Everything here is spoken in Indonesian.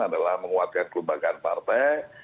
adalah menguatkan kelombangan partai